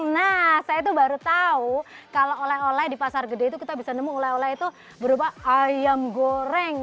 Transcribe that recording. nah saya tuh baru tahu kalau oleh oleh di pasar gede itu kita bisa nemu oleh oleh itu berupa ayam goreng